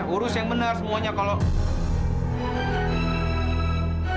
urus yang benar semuanya kalau